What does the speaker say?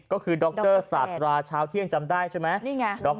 ก็คือดรสาธาราเช้าเที่ยงจำได้ใช่ไหม